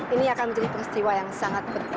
ini akan menjadi peristiwa yang sangat penting